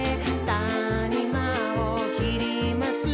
「たにまをきります」